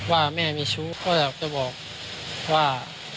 ว่าแม่มีชู้ก็อยากจะบอกว่า